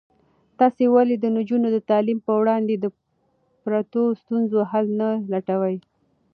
تاسې ولې د نجونو د تعلیم په وړاندې د پرتو ستونزو حل نه لټوئ؟